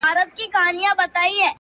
نه د کشر ورور په جېب کي درې غیرانه -